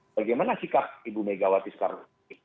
bagaimana sikap ibu mega watis karun